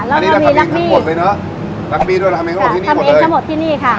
อันนี้เราทำเองทั้งหมดเลยเนอะทำเองทั้งหมดที่นี่ค่ะ